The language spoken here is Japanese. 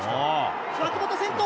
脇本先頭。